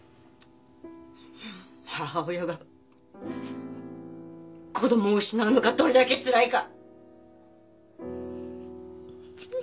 母親が子供を失うのがどれだけつらいか！